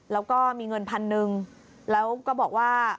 แล้วก็มีเงินพันหนึ่งแล้วก็บอกว่า